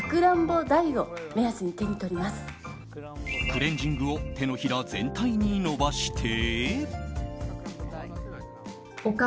クレンジングを手のひら全体に伸ばして。